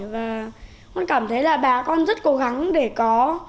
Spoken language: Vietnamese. và con cảm thấy là bà con rất cố gắng để có